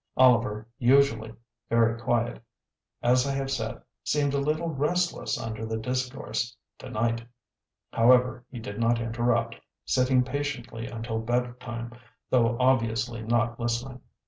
Oliver, usually, very quiet, as I have said, seemed a little restless under the discourse to night. However, he did not interrupt, sitting patiently until bedtime, though obviously not listening.